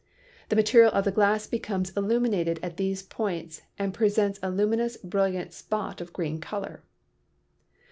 The material of the glass becomes il luminated at these points and presents a luminous brilliant spot of a green color.